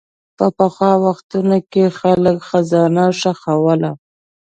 په پخوا وختونو کې خلک خزانه ښخوله.